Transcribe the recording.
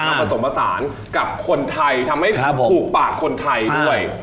ผสมผสานกับคนไทยทำให้ถูกปากคนไทยด้วย